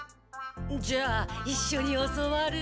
じゃあいっしょに教わる？